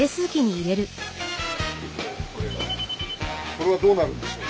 これはどうなるんでしょう？